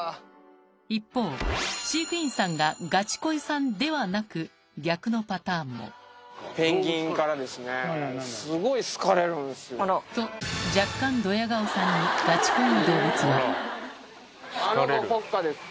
一方飼育員さんがガチ恋さんではなく逆のパターンもと若干ドヤ顔さんにガチ恋の動物はあの子ポッカです。